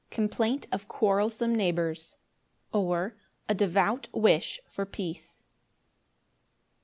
Complaint of quarrelsome neighbours; or, A devout wish for peace.